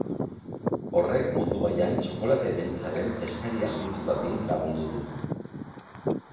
Horrek mundu mailan txokolate beltzaren eskaria handitu dadin lagundu du.